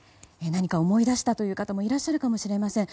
何か思い出したという方もいらっしゃるかもしれません。